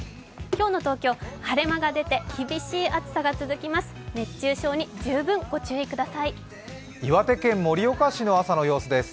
今日の東京、晴れ間が出て厳しい暑さが続きます。